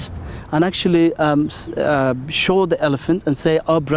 và nói cho các loài khó khăn sống yên tĩnh